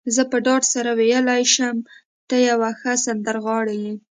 زه په ډاډ سره ویلای شم، ته یو ښه سندرغاړی يې.